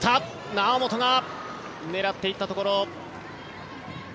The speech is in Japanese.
猶本が狙っていったところ。